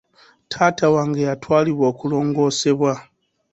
Taata wange yatwalibwa okulongoosebwa.